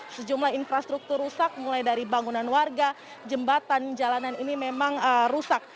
sejumlah infrastruktur rusak mulai dari bangunan warga jembatan jalanan ini memang rusak